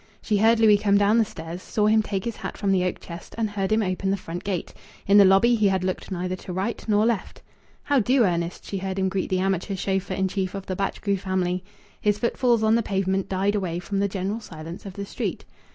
She heard Louis come down the stairs, saw him take his hat from the oak chest and heard him open the front gate. In the lobby he had looked neither to right nor left. "How do, Ernest!" she heard him greet the amateur chauffeur in chief of the Batchgrew family. His footfalls on the pavement died away into the general silence of the street.